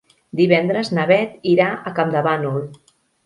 Divendres na Bet irà a Campdevànol.